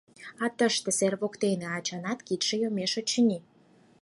А тыште, сер воктене, ачанат кидше йомеш, очыни.